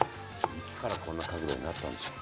いつからこんな角度になったんでしょう。